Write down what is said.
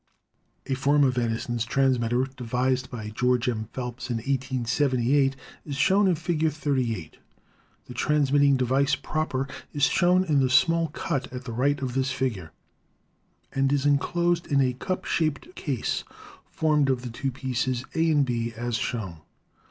A form of Edison's transmitter, devised by George M. Phelps in 1878, is shown in Fig. 38. The transmitting device proper is shown in the small cut at the right of this figure, and is inclosed in a cup shaped case formed of the two pieces, A and B, as shown.